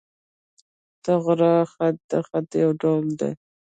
طغرا خط، د خط یو ډول دﺉ.